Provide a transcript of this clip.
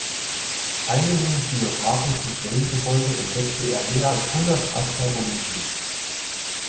Einigen biographischen Quellen zufolge entdeckte er mehr als hundert Asteroiden.